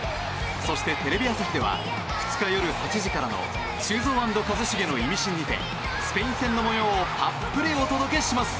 そして、テレビ朝日では２日夜８時からの「修造＆一茂のイミシン」にてスペイン戦の模様をたっぷりお届けします。